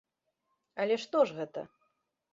Але што ж гэта?